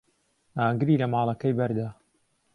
ئاگری لە ماڵەکەی بەردا.